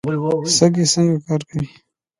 سږي څنګه کار کوي؟